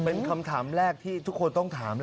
เป็นคำถามแรกที่ทุกคนต้องถาม